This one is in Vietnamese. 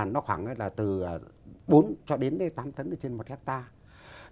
nó khoảng là từ bốn cho đến tám tấn trên một hectare